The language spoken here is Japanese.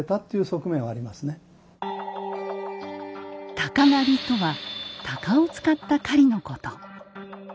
「鷹狩」とは鷹を使った狩りのこと。